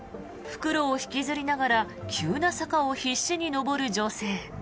袋を引きずりながら急な坂を必死に上る女性。